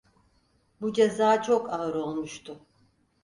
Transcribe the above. Bu ceza çok ağır olmuştu.